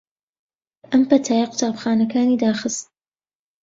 ئەم پەتایە قوتابخانەکانی داخست